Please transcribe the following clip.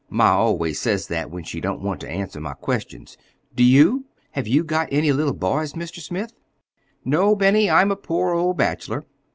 Ma always says that when she don't want to answer my questions. Do you? Have you got any little boys, Mr. Smith?" "No, Benny. I'm a poor old bachelor."